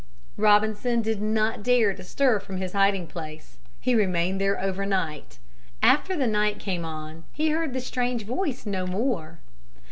Robinson did not dare to stir from his hiding place. He remained there over night. After the night came on he heard the strange voice no more.